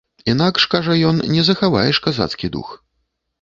Інакш, кажа ён, не захаваеш казацкі дух.